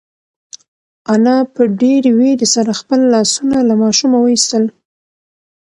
انا په ډېرې وېرې سره خپل لاسونه له ماشومه وایستل.